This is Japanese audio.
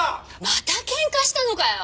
またケンカしたのかよ！